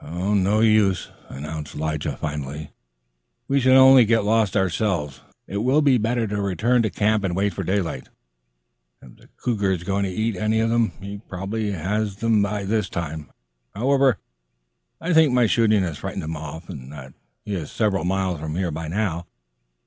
"No use," announced Lige finally. "We shall only get lost ourselves. It will be better to return to camp and wait for daylight. If the cougar is going to eat any of them, he probably has them by this time. However, I think my shooting has frightened him off, and that he is several miles from here by now.